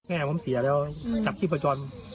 แม่ผมเสียแล้วกับชีพจร